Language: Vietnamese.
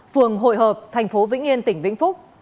phường hội hợp tp vĩnh yên tỉnh vĩnh phúc